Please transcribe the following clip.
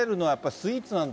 スイーツ？